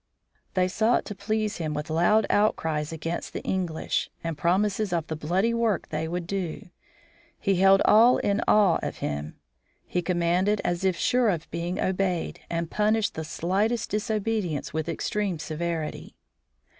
They sought to please him with loud outcries against the English, and promises of the bloody work they would do. He held all in awe of him. He commanded as if sure of being obeyed, and punished the slightest disobedience with extreme severity.